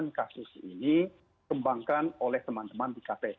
kemudian kasus ini kembangkan oleh teman teman di kpk